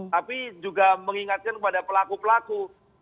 tapi juga mengingatkan kepada pelaku pelaku